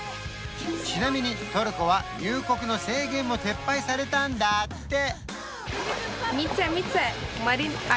ちなみにトルコは入国の制限も撤廃されたんだって